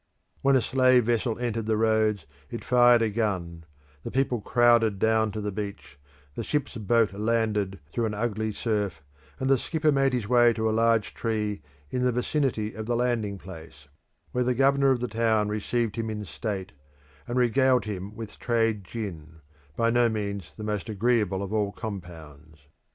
When a slave vessel entered the roads, it fired a gun, the people crowded down to the beach, the ship's boat landed through an ugly surf, and the skipper made his way to a large tree in the vicinity of the landing place, where the governor of the town received him in state, and regaled him with trade gin, by no means the most agreeable of all compounds.